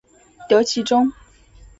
得其中